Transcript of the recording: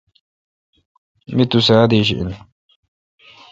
می تو سہ ادیش این۔